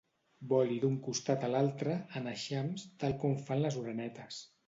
Voli d'un costat a l'altre, en eixams, tal com fan les orenetes.